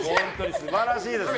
素晴らしいですね。